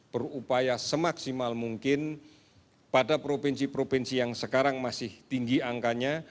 berupaya semaksimal mungkin pada provinsi provinsi yang sekarang masih tinggi angkanya